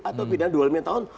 atau pindahan dua lima tahun